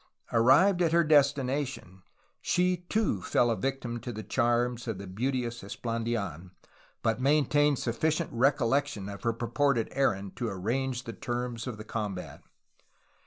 Arrived at her destination she too fell a victim to the charms of the beauteous Esplandidn, but maintained suf ficient recollection of her purported errand to arrange the terms of the combat.